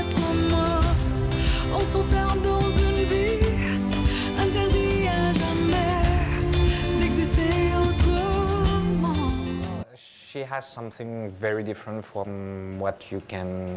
dia sangat mudah untuk dikerjakan